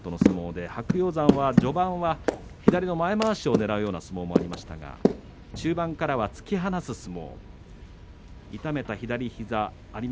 きょうは白鷹山との相撲で白鷹山は序盤は左の前まわしをねらうような相撲もありましたが中盤からは突き放すような相撲。